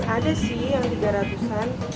ada sih yang tiga ratus an